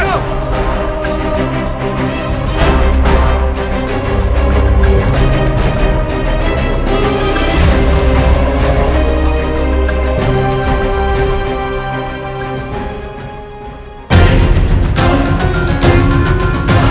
untuk memperbaiki kekuatan pajajara gusti prabu